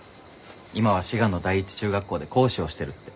今は滋賀の第一中学校で講師をしてるって。